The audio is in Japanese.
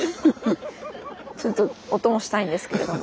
ちょっとお供したいんですけれども。